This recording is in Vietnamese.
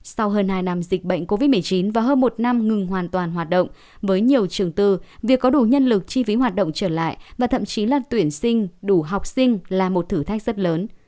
sau hơn hai năm dịch bệnh covid một mươi chín và hơn một năm ngừng hoàn toàn hoạt động với nhiều trường tư việc có đủ nhân lực chi phí hoạt động trở lại và thậm chí là tuyển sinh đủ học sinh là một thử thách rất lớn